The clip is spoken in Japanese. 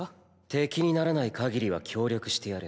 敵にならないかぎりは協力してやる。